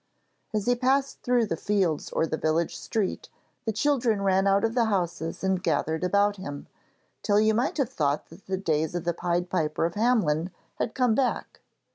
As he passed through the fields or the village street, the children ran out of the houses and gathered about him, till you might have thought that the days of the Pied Piper of Hamelin had come back.